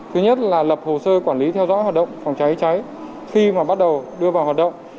thứ nhất là lập hồ sơ quản lý theo dõi hoạt động phòng cháy cháy khi mà bắt đầu đưa vào hoạt động